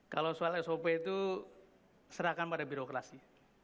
kalau soal sop itu serahkan pada birokrasi